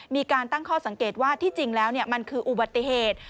มีการตั้งข้อสังเกตว่าที่จริงแล้วมันคืออุบัติเหตุ